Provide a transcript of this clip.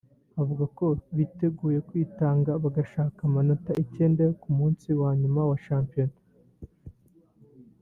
avuga ko biteguye kwitanga bagashaka amanota icyenda yo ku munsi wa nyuma wa shampiyona